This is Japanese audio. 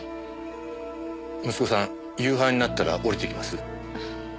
息子さん夕飯になったら下りてきます？